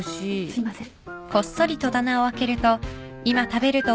すいません